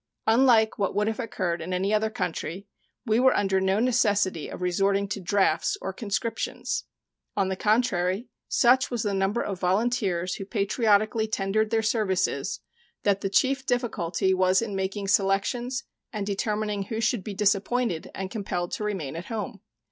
Unlike what would have occurred in any other country, we were under no necessity of resorting to drafts or conscriptions. On the contrary, such was the number of volunteers who patriotically tendered their services that the chief difficulty was in making selections and determining who should be disappointed and compelled to remain at home.